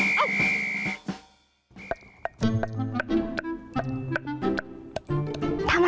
ซ้ายขวาซ้าย